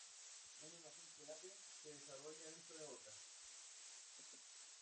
Una nación que late, vive y se desarrolla dentro de otra.